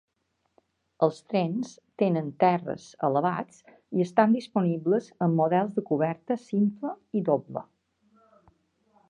Els trens tenen terres elevats i estan disponibles en models de coberta simple i doble.